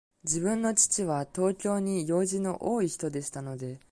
自分の父は、東京に用事の多いひとでしたので、